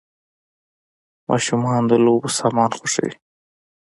ماشومان د لوبو سامان خوښوي .